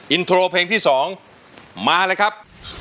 อินโทรเพลงที่๒มาเลยครับ